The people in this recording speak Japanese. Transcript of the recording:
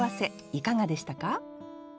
いかがでしたか？